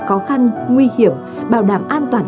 khó khăn nguy hiểm bảo đảm an toàn